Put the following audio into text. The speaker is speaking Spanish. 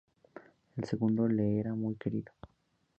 El segundo le era muy querido.